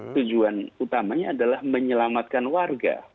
tujuan utamanya adalah menyelamatkan warga